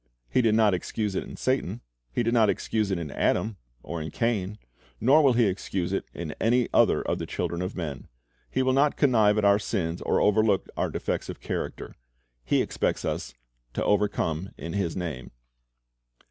He did not excuse it in Satan ; He did not excuse it in Adam or in Cain; nor will He excuse it in any other of the children of men. He will not connive at our sins or overlook our defects of character. He expects us to overcome in His name.